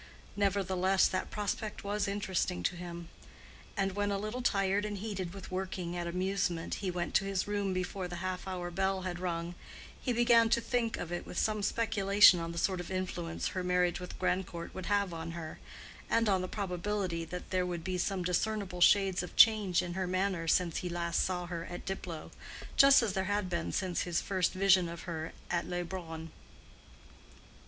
Nevertheless that prospect was interesting to him; and when, a little tired and heated with working at amusement, he went to his room before the half hour bell had rung, he began to think of it with some speculation on the sort of influence her marriage with Grandcourt would have on her, and on the probability that there would be some discernible shades of change in her manner since he saw her at Diplow, just as there had been since his first vision of her at Leubronn.